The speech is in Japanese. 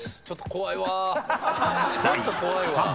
ちょっと怖いわ。